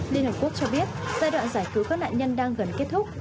liên hợp quốc cho biết giai đoạn giải cứu các nạn nhân đang gần kết thúc